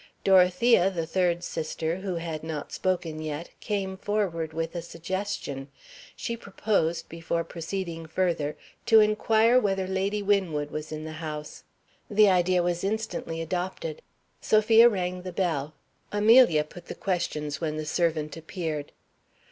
Dorothea, the third sister (who had not spoken yet), came forward with a suggestion. She proposed, before proceeding further, to inquire whether Lady Winwood was in the house. The idea was instantly adopted. Sophia rang the bell. Amelia put the questions when the servant appeared.